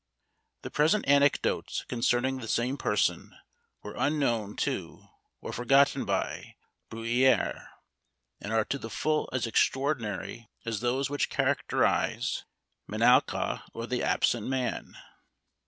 The present anecdotes concerning the same person were unknown to, or forgotten by, Bruyère; and are to the full as extraordinary as those which characterise Menalcas, or the Absent Man.